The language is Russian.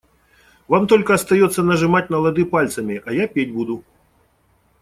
Вам только остается нажимать на лады пальцами, а я петь буду.